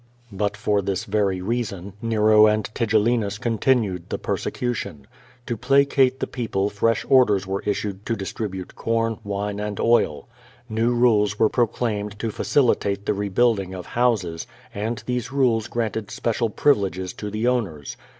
But for this very reason, Nero and Tigellinus continued the persecution. To placate the people fresh orders were issued to distribute corn, wine, and oil. New rules were pro claimed to facilitate the, rebuilding of houses, and these rules granted special privileges to the owners.